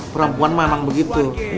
perempuan mah emang begitu